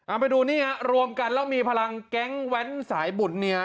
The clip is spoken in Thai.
เอาไปดูนี่ฮะรวมกันแล้วมีพลังแก๊งแว้นสายบุตรเนี่ย